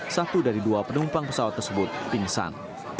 satu dari dua penumpang pesawat tersebut pingsan